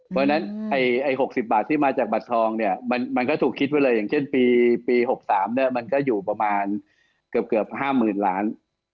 เพราะฉะนั้น๖๐บาทที่มาจากบัตรทองเนี่ยมันก็ถูกคิดไว้เลยอย่างเช่นปี๖๓มันก็อยู่ประมาณเกือบ๕๐๐๐ล้าน